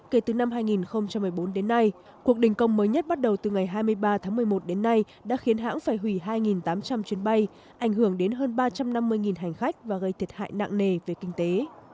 kể từ năm hai nghìn một mươi bốn đến nay cuộc đình công mới nhất bắt đầu từ ngày hai mươi ba tháng một mươi một đến nay đã khiến hãng phải hủy hai tám trăm linh chuyến bay ảnh hưởng đến hơn ba trăm năm mươi hành khách và gây thiệt hại nặng nề về kinh tế